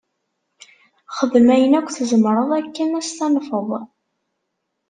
Xdem ayen akk tzemreḍ akken ad s-tanfeḍ.